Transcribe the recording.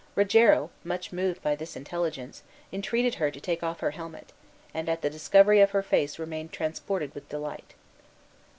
Rogero, much moved by this intelligence, entreated her to take off her helmet, and at the discovery of her face remained transported with delight.